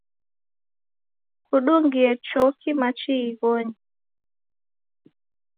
Kudungie choki machi ighonyi